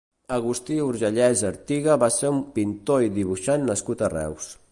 Agustí Urgellès Artiga va ser un pintor i dibuixant nascut a Reus.